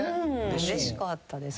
うれしかったですけどね。